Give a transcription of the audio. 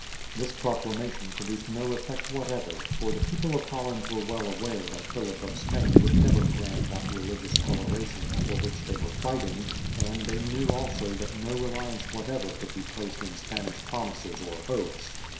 This proclamation produced no effect whatever; for the people of Holland were well aware that Philip of Spain would never grant that religious toleration for which they were fighting, and they knew also that no reliance whatever could be placed in Spanish promises or oaths.